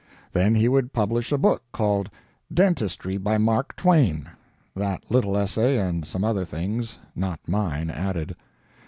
Then he would publish a book called Dentistry by Mark Twain, that little essay and some other things not mine added.